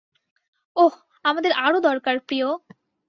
ওহ, আমাদের আরও দরকার, প্রিয়।